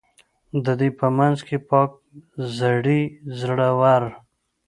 د دوی په منځ کې پاک زړي، زړه ور.